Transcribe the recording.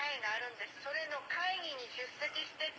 それの会議に出席してて。